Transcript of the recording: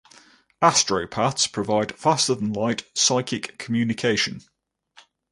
Astropaths provide faster-than-light psychic communication.